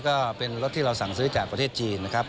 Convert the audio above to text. ก็เป็นรถที่เราสั่งซื้อจากประเทศจีนนะครับ